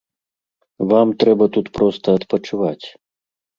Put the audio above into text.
Вам трэба тут проста адпачываць!